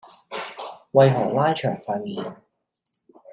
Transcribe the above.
為何拉長塊面